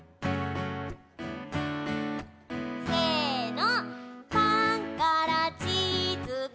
せの。